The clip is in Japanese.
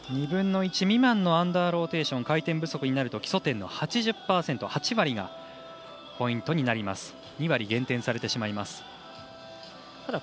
２分の１未満のアンダーロ−テーション回転不足になると基礎点の８０％、８割がポイントになります。